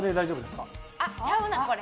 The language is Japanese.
ちゃうな、これ。